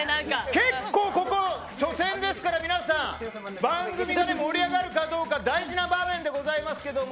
結構、初戦ですから番組が盛り上がるかどうか大事な場面でございますけども。